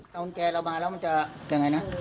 ตอนแก่เรามาแล้วมันจะยังไงนะ